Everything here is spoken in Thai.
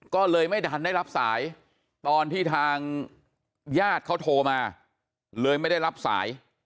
ก็เลยไม่ทันได้รับสายตอนที่ทางญาติเขาโทรมาเลยไม่ได้รับสาย